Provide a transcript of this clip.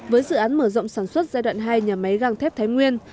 với dự án mở rộng sản xuất giai đoạn hai nhà máy găng thép thái nguyên